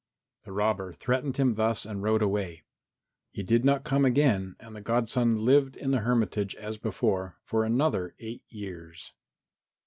The robber threatened him thus and rode away. He did not come again and the godson lived in the hermitage as before for another eight years.